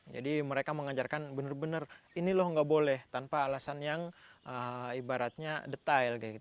jadi mereka mengajarkan benar benar ini loh nggak boleh tanpa alasan yang ibaratnya detail